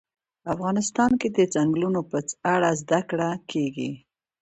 افغانستان کې د چنګلونه په اړه زده کړه کېږي.